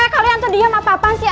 kalian tuh diem apa apa sih